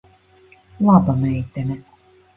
Laba meitene.